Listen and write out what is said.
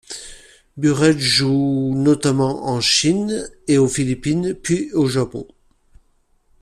Burrell joue notamment en Chine et aux Philippines puis au Japon.